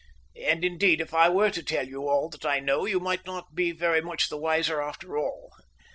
And indeed if I were to tell you all that I know you might not be very much the wiser after all.